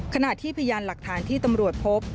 ขณะที่พยานหลักฐานที่ตำรวจพบ